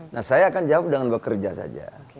nah saya akan jawab dengan bekerja saja